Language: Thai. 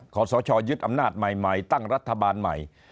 ขอสชยึดอำนาจใหม่ตั้งรัฐบาลใหม่